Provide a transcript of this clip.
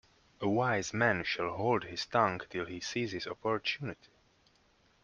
A wise man shall hold his tongue till he sees his opportunity.